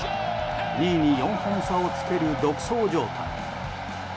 ２位に４本差をつける独走状態。